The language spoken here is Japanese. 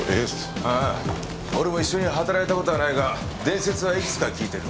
ああ俺も一緒に働いた事はないが伝説はいくつか聞いてる。